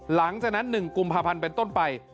หลังจากนั้น๑กุมภาพันธ์เป็นต้นไป